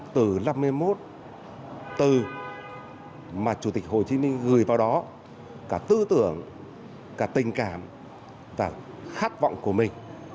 từ năm mươi một từ mà chủ tịch hồ chí minh gửi vào đó cả tư tưởng cả tình cảm cả khát vọng của mình